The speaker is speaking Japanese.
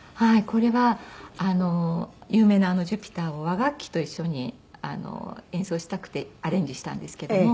これは有名なあの『ジュピター』を和楽器と一緒に演奏したくてアレンジしたんですけども。